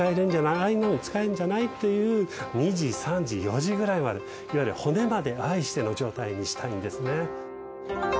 ああいうのに使えるんじゃない？という２次３次４次くらいまでいわゆる骨まで愛しての状態にしたいんですね。